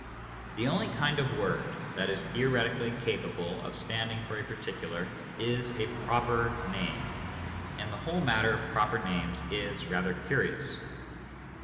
The only kind of word that is theoretically capable of standing for a particular is a proper name, and the whole matter of proper names is rather curious.